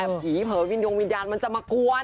แอบผีเผยวินโดยวินดาลมันจะมากวน